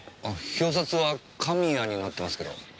表札は「神谷」になってますけど。